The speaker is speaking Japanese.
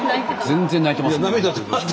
全然泣いてます。